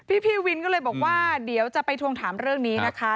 พี่วินก็เลยบอกว่าเดี๋ยวจะไปทวงถามเรื่องนี้นะคะ